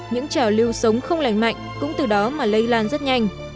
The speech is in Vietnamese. những trào lưu sống không lành mạnh cũng từ đó mà lây lan rất nhanh